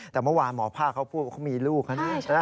แต่เมื่อวานหมอภาคเขาพูดว่าเขามีลูกนะ